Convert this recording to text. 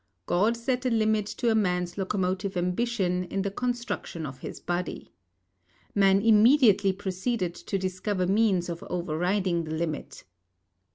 God set a limit to a man's locomotive ambition in the construction of his body. Man immediately proceeded to discover means of overriding the limit.